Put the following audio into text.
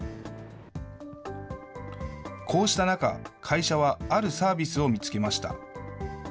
こうした中、会社はあるサービスを見つけました。